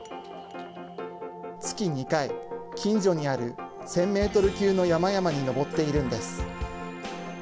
月２回、近所にある１０００メートル級の山々に登っているんです。